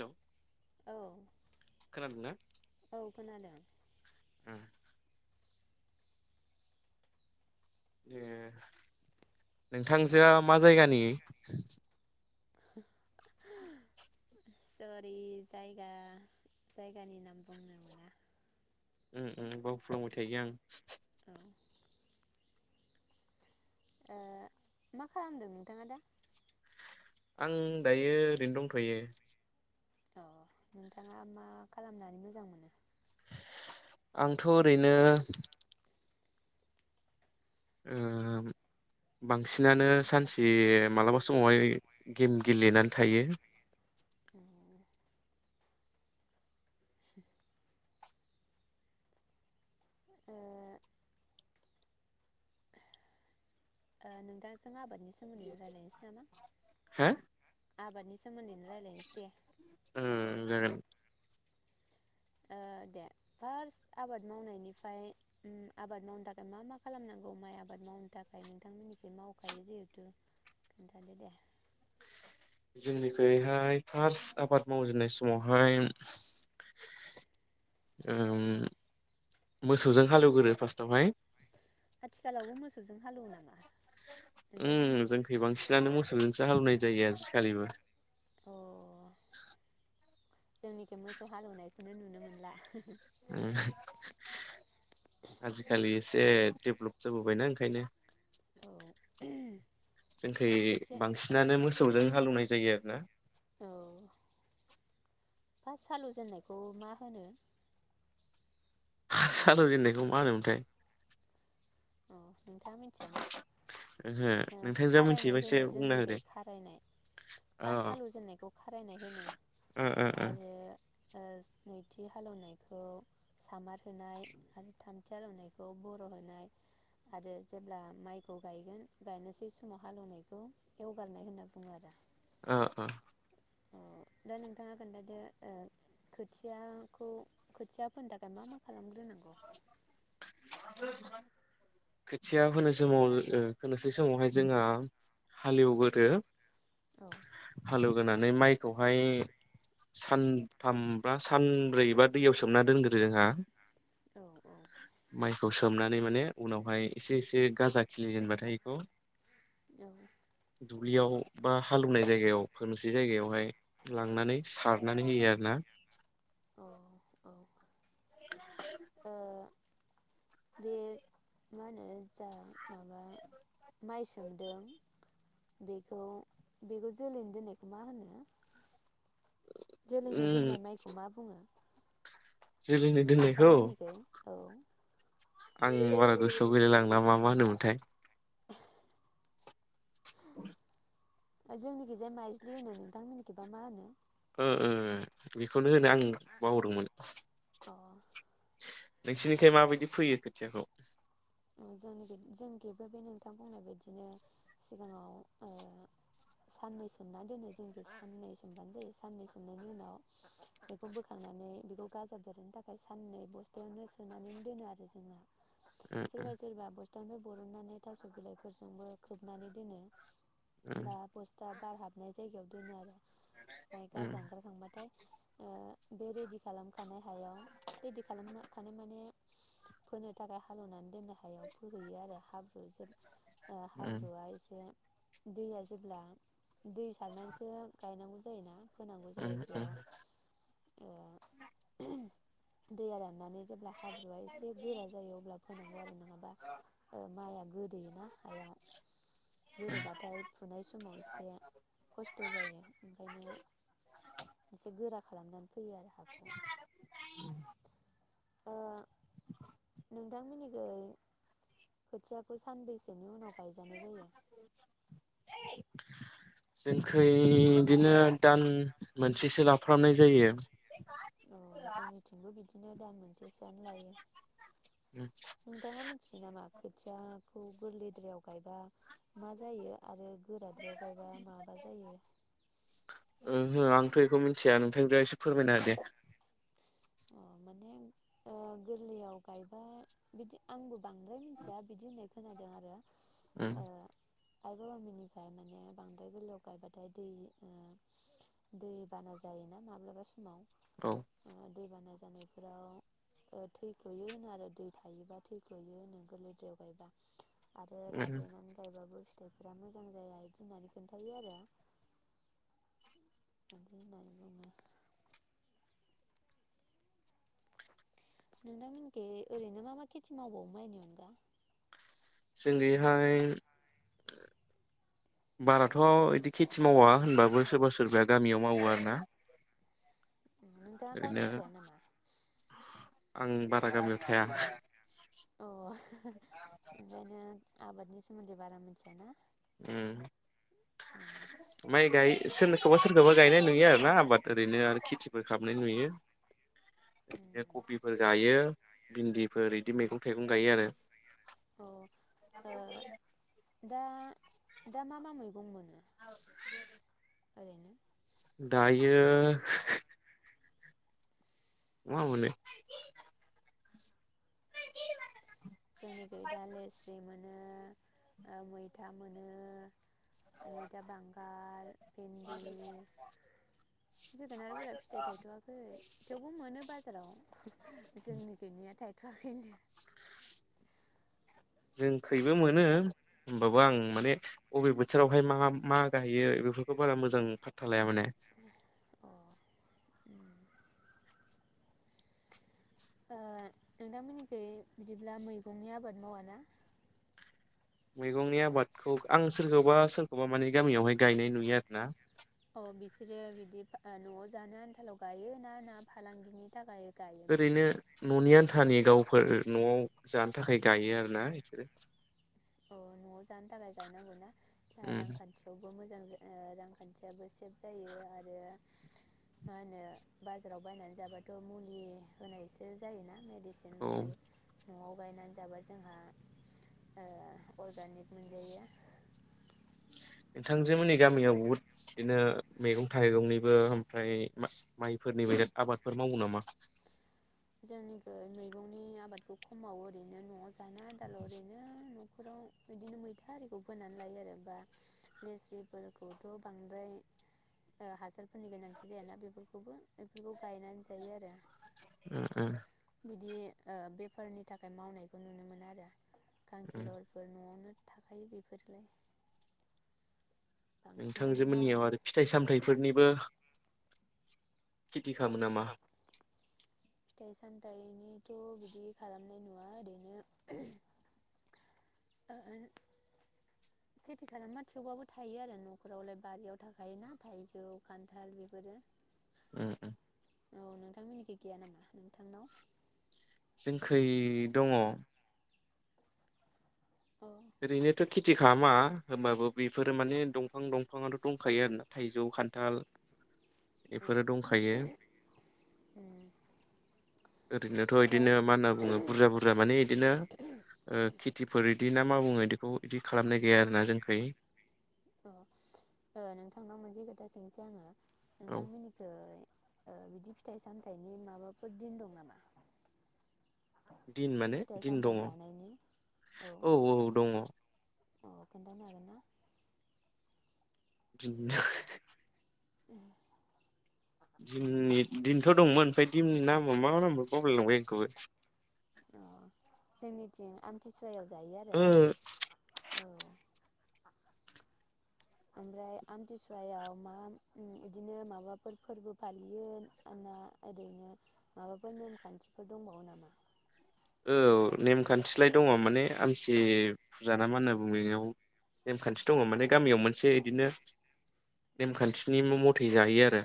Hello औ औ खोनादों खोनादों उम ए औ नोंथांजोआ मा जायगानि सरि जायगा जायगानि नाम बुंनो मोना उम उम बावफ्लांबाय थायो आं औ ओ मा खालामदों नोंथाङा दा आं दायो ओरैनो दंथयो अ नोंथाङा मा खालामनानै मोजां मोनो आंथ ओरैनो ओ बांसिनानो सानसे मालाबा समावहाय गेम गेलेनानै थायो [inaudible] ए ओ नोंथां जों आबादनि स हो आबादनि सोमोन्दैनो रायलायनोसै दे ओ जागोन ओ दे फार्स्ट आबाद मावनायनिफ्राय आबाद मावनो थाखाय मा मा खालामनांगौ माइ आबाद मावनो थाखाय नोंथांमोननिखै मावखायो जिहेथु खिन्थादो दे जोंनिखुइहाय फार्स्ट आबाद मावजेननाय समावहाय ओ मोसौजों हालेवग्रोयो फार्स्टआवहाय आथिखालावबो मोसौजों हालेवो नामा अम नोंथांमोननिखै जोंखै बांसिनानो मोसौजोंसो हालौनाय जायो आजिखालिबो अ जोंनिखि मोसौ हालौवनायखौनो नुनो मोनला आजिखालि ए डेभलप जाबोबायना ओंखायनो औ जोंखै खोथिया बांसिनानो मोसौजों हालौनाय जायो आरो ना औ फार्स्ट हालौ जेननायखौ मा होनो फार्स्ट हालौ जेननायखौ मा होनोमोनथाय अ नोंथाङा मिथियाना ओहो ओ नोंथांजोआ खारायनाय मिथियोबा एसे होनो बुंना जोंनिखौ होदो खारायनाय अ फार्स्ट हालौजेननायखौ खारायनाय होनो ओ ओ ओ आरो ओ नैथि हालौनायखौ सामार होनाय आरो थामथि हालौवनायखौ बर होनाय आरो जेब्ला माइखौ गायगोन गायनोसै समाव हालौनायखौ एवगारनाय होनना बुङो आरो ओ ओ अ दा नोंथाङा खोन्थादो ओ खोथियाखौ खोथिया फोन थाखाय मा-मा खालामग्रोनांगौ [inaudible] [unintelligible] खोथिया फोनोसै समाव ओ फोनोसै समावहाय जोंहा हालेवबोदो‌। औ हालौ होनानै माइखौहाय सानथाम बा सानब्रै बा दैयाव सोमना दोनग्रोयो हा। औ औ माइखौ सोमना नै माने उनावहाय एसे एसे गाजा खिलिजेनबाथाय इखौ औ। दुब्लियाव बा हालेवनाय जायगायाव फोनोसै जायगायावहाय लांनानै सारनानै होयो आरो ना। औ औ। ओ बे मा होनो जा माबा माइ सोमदों बेखौ-बेखौ जोलैनि दोननायखौ मा होनो? जोलैनो उम दोननाय माइखौ मा बुङो? जोलैनो नोंथां दोननायखौ मोननिखै औ आं बारा गोसोआव गैेलायलांला मा-मा होनोमोनथाय। [inaudible] जोंनिखि जाय माइज्लि होनो नोंथांमोननिखि बा मा होनो? ओ ओ बेखौ नो होनो आं बावदोंमोन। अ नोंसिनिखै माबायदि फैयो खोथियाखौ? जोंनिखि जोंनिखिबो बे नोंथां बुंनाय बायदिनो सिगाङाव ओ साननै सोमना दोनो जोंखि साननै सोमब्लानो जायो साननै सोमनायनि उनाव बेखौ बोखांनानै बेखौ गाजा देरहोनो थाखाय साननै बस्थायावनो सोनानै दोनो आरो जोंना। उम सोरबा-सोरबा बस्थावनो बरनानै थास बिलाइफोरजोंबो खोबनानै दोनो। उम दा बस्ताब बार हाबनाय जायगायाव दोनो आरो। ओमफाय उम गाजा ओंखारखांबाथाय ओ बे रेडि खालामखानाय हायाव, रेडि खालामखानाय माने फोनो थाखाय हालेवनानै द हायाव फोहैयो आरो हाब्र [inaudible] ओ उम हाब्रुआ एसे दैया जेब्ला दै सारनानैसो गायनांगौ जा जायो ना? होनांगौ जायो उम उम बेयाव ओ दैया राननानै जेब्ला हाब्रुआ एसे गोरा जायो अब्ला फोनांगौ आरो नङाबा माइआ गोदोयोना हायाव। गोदोबाथाय फुनाय समाव एसे खस्थ जायो ओंखायनो एसे गोरा खालामनानै फैयो आरो हाखौ। अ नोंदां मिनि खोथियाखौ सानबेसेनि उनाव गायजानाय जायो। जोंखै बिदिनो दान मोनसेसो लाफ्रामनाय जायो। औ जोंनिथिंबो [unintelligible] बिदिनो दान मोनसेसोआनो लायो। नोंथाङा मिथियो नामा? खोथियाखौ गोरलैद्रायाव गायबा मा जायो आरो गोराद्रायाव गायबा। बा माबा जायो। ओहो आंथ' बेखौ मिन्थिया नोंथांजों एसे फोरमायनो दे। अ माने गोरलैयाव गायबा बिदि आंबो बांद्राय मिथिया बिदि होन खोनादों आरो। ओम आइबा बामिनिफ्राय माने बांद्राय गोरलैआव गायबाथाय दै, दै बाना जायोना? माब्लाबा समाव। औ दै बाना जानायफोराव, थैखयो होनो आरो दै थायोबा थैखयो होनो गोरलै दैयाव गायबा। आरो उम रादेनानै गायबाबो फिथाइफोरा मोजां जाया बिदि होननानै खोनन्थायो आरो। बिदि लागा नोंथांमोननिखै ओरैनो मा मा खेथि मावबावो माइनि अनगा? जोंनिहाय बाराथ' इदि खेथि मावा होनबाबो सोरबा सोरबाया गामियाव मावो आरो ना नोंथाङा गामियाव थाया नामा? आं बारा गामियाव थाया। अ [unintelligible] [unintelligible] ओंखायनो आबादनि सोमोन्दै बारा मोनथियाना ओम माइ गाय सोरखौबा सोरखौबा गायनाय नुयो आरो ना आबाद ओरैनो आरो खेथिफोर खालामनाय नुयो। इदिनो अ कफिफोर गायो। भिन्दिफोर इदि मैगं थाइगं गायो आरो [inaudible] ओ दा दा मा मा मैगं मोनो [unintelligible] ओरैनो दायो मा बुंनो जोंनिखै दा लेस्रि मोनो ओ मैथा मोनो मैथा बांगाल, भेन्दि, जोगोनारफोरा फिथाइ थायथ'वाखै थेवबो मोनो बाजाराव। जोंनि खैनिया थायथ'वाखैनो [inaudible] जों खैबो मोनो होमबाबो आं माने बबे बोथोरावहाय मा मा गायो बेफोरखौ बारा मोजां फाथ्था लाया माने। अ उम ओ नोंथांमोननिखै बिदिब्ला मैगंनि आबाद मावा ना? मैगंनि आबादखौ आं सोरखौबा सोरखौबा माने गामियावहाय गायनाय नुयोआरो ना। अ बिसोरो बिदि न'आव जानो आन्थाल' गायो ना? ना फालांगिनि थाखाय गायो ओरैनो न'नि आन्थानि गाव फोर न'आव जानो थाखाय गायो आरो ना बिसोरो। औ न'आव जानो थाखाय गायनांगौ ना। जा रांखान्थियावबो मोजां मोजां रांखान्थियाबो सेफ जायो आरो मा होनो बाजाराव बायनानै जाबाथ' मुलि होनायसो जायो ना। मेडिसिन औ मुलि न'आव गायनानै जाबा जोंहा ओ अर्गानिक मोनजायो। नोंथांजो मोननि गामियाव बहुद बिदिनो मैगं थाइगंनिबो ओमफ्राय मा-माइफोरनि बोराद आबादफोर मावो नामा? खमाव ओरैनो न'आव जानो आन्थाल' ओरैनो न'खराव बिदिनो मैथा आरिखौ फोनानै लायो आरो बा लेस्रिफोरखौथ' बांद्राय ओ हासारफोरनि गोनांथि जाया ना बेफोरखौबो बेफोरखौ गायनानै जायो आरो। उम उम बिदि ओ बेफारनि थाखाय मावनायखौ नुनो मोनाआरो। उम खांखिलरफोर न'आवनो थाखायो बेफोरलाय बांसिनानो नोंथांजो मावो मोननियाव आरो फिथाइ सामथाइफोरनिबो खेथि खामो नामा? फिथाइ सामथाइनिथ' बिदि खालामनाय नुवा ओरैनो ओ खेथि खालामा थेवबाबो थायो आरो न'खरावलाय बारियाव थाखायो ना थाइजौ खान्थाल बेफोरो उम उम औ नोंथांमोननिखै गैया नामा नोंथांनाव जोंखै दङ' औ ओरैनोथ' खेथि खालामा होमबाबो बेफोरो माने दंफां- दंफांआथ' दंखायो आरो ना थाइजौ खान्थाल औ बेफोरो दंखायो उम ओरैनोथ' ओ इदिनो मा होनना बुङो बुरजा बुरजा मानि इदिनो ओ खेथिफोर [unintelligible] मा बुङो इदिखौ इदि खालामनाय गैया आरो ना जोंखै अ ओ नोंथांनाव मोनसे खोथा सोंनोसै आङो औ नोंथां मोननिखै ओ बिदि फिथाइ सामथायाइनि माबाफोर दिन दं नामा? दिन माने फिथाइ दिन सामथाइ दङ जानायनि औ औ दङ अ खिन्थानो हागोन ना? [unintelligible] दिननि दिनथ' दंमोन ओमफ्राय दिमनि नामाव मा मा नाम बावलायलांबाय आं इखौबो। अ जोंनिथि आमथिसु वायाव जायो आरो ओ औ ओमफ्राय आमथिसुवायाव मा बिदिनो माबाफोर फोरबो फालियो आंना ओरैनो माबाफोर नेमखान्थिफोर दंबावो नामा? औ नेमखान्थिलाय दङ माने आमसि फुजा ना मा होनना बुङो बेयाव नेमखान्थि दङ माने गामियाव मोनसे बिदिनो नेमखान्थिनि मथे जाहायो आरो।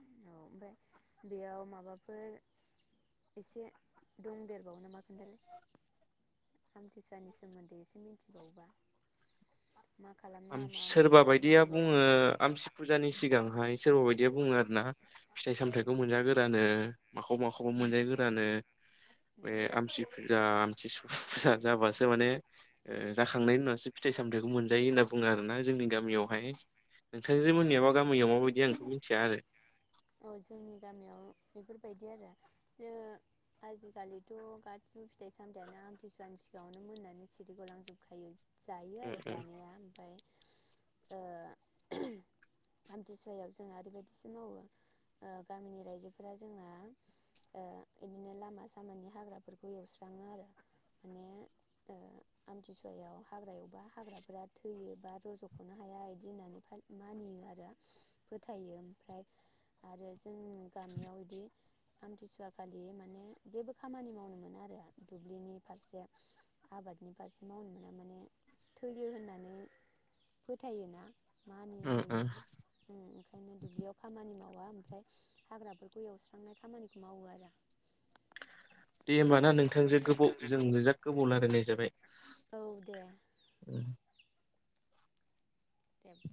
औ ओमफ्राय बेयाव माबाफोर एसे दंदेरबावो नामा खोन्थालाय आमथिसुवानि सोमोन्दै एसे मिथिबावोबा मा खालामना आमस मा मा सोरबा बायदिया खालामनांगौ बुङो आमसि फुजानि सिगांहाय सोरबा बायदि बेे बुङो आरो ना फिथाइ सामथाइखौ मोनजा गोरानो माखौ माखौबा मोनजा गोरानो बे आमसि फुजा आमथि फुजा जाबासो माने ओ जाखांनायनि उनावसो फिथाइ सामथाइखौ मोनजायो होनना बुङो आरोना जोंनि गामियावहाय। नोंथांजो अ मोननियाबा गामियाव माबायदि आंथ' थिया आरो। औ जोंनि गामियाव बेफोरबायदि आरो ओ आजिखालिथ' गासिबो फिथाइ सामथाइयानो आमथिसुवानि सिगाङावनो मोननानै सिरिगलांजोबखायो जायो आरो जानाया ओमफ्राय ओ आमथिसुवायाव जोंहा ओरैबायदिसो मावो ओ गामिनि रायजोफोरा जोंना ओ इदिनो लामा सामानि हाग्राफोरखौ एवस्राङो आरो माने ओ आमथिसुवायाव हाग्रा एवबा हाग्राफोरा थैयो बा रज'ख'नो हाया बिदि होननानै फाल मानियो आरो फोथायो ओमफ्राय आरो जों गामियाव इदि आमथिसुवा खालि माने जेबो खामानि मावनो मोना आरो दुब्लिनि फारसे आबादनि फारसे मावनो मोना माने थैयो होननानै फोथायोना। उम मानिबोयो उम ओं ओंखायनो दुब्लियाव खामानि माव आ ओमफ्राय हाग्राफोरखौ एवस्रांनाय खामानिखौ मावो आरो। दे होमबाना नों थांजो गोबाव जों बिराद गोबाव रायनाय जाब औ दे। उम दे